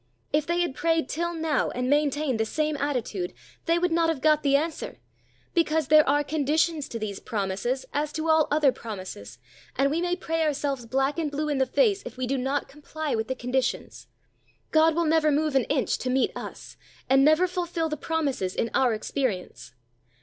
If they had prayed till now, and maintained the same attitude, they would not have got the answer, because there are conditions to these promises, as to all other promises; and we may pray ourselves black and blue in the face if we do not comply with the conditions. God will never move an inch to meet us, and never fulfil the promises in our experience.